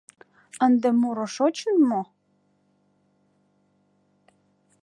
Ынде муро шочын мо?